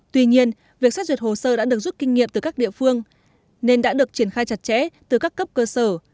tuy nhiên việc xét duyệt hồ sơ đã được rút kinh nghiệm từ các địa phương nên đã được triển khai chặt chẽ từ các cấp cơ sở